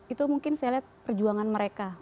itu mungkin saya lihat perjuangan mereka